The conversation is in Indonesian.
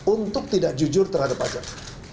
untuk tidak jujur terhadap pajak